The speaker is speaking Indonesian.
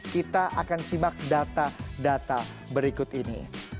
kita akan simak data data berikut ini